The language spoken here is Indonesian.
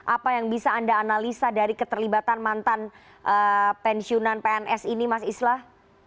apa yang bisa anda analisa dari keterlibatan mantan pensiunan pns ini mas islah